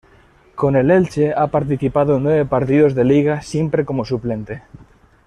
Con el Elche ha participado en nueve partidos de Liga, siempre como suplente.